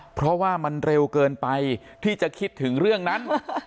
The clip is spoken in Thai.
เพราะว่ามันเร็วเกินไปที่จะคิดถึงเรื่องนั้น